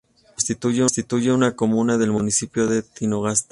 Constituye una comuna del municipio de Tinogasta.